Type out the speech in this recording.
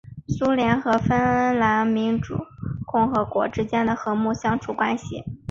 苏联和芬兰民主共和国之间和睦相处关系。